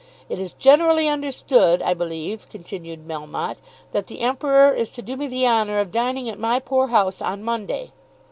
"It is generally understood, I believe," continued Melmotte, "that the Emperor is to do me the honour of dining at my poor house on Monday.